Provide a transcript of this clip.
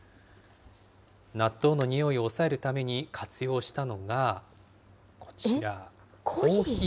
納豆の匂いを抑えるために活用したのが、コーヒー？